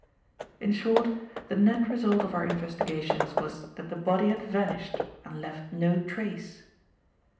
In short, the net result of our investigations was that the body had vanished and left no trace.